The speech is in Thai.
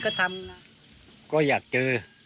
ก็ทำนะก็อยากเจอ